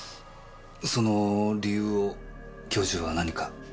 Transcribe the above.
その理由を教授は何か？